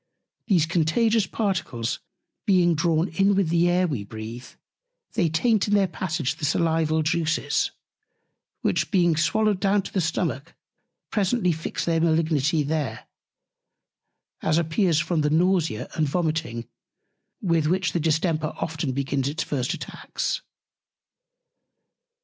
These Contagious Particles being drawn in with the Air we breath, they taint in their Passage the Salival Juices, which being swallowed down into the Stomach presently fix their Malignity there; as appears from the Nausea and Vomiting, with which the Distemper often begins its first Attacks.